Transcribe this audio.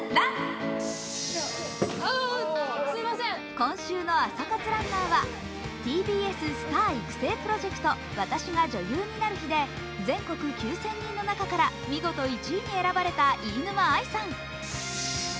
今週の朝活ランナーはＴＢＳスター育成プロジェクト、「私が女優になる日＿」で全国９０００人の中から見事１位に選ばれた飯沼愛さん。